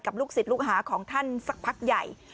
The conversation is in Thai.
กับลูกสิทธิ์ลูกหาของท่านสักพักใหญ่